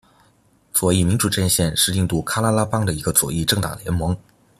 左翼民主阵线是印度喀拉拉邦的一个左翼政党联盟。